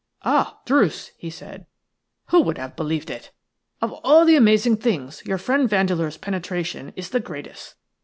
"Ah, Druce," he said, "who would have believed it? Of all the amazing things, your friend Vandeleur's penetration is the greatest.